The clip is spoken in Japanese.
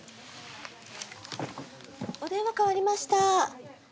お電話代わりました。